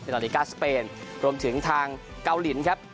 นาฬิกาสเปนรวมถึงทางเกาหลีครับ